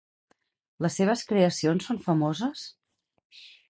Les seves creacions són famoses?